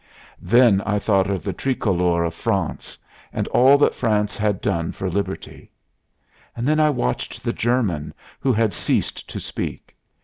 Then I thought of the Tricolor of France and all that France had done for liberty. Then I watched the German, who had ceased to speak.